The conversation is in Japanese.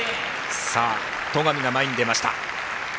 戸上が前に出ました。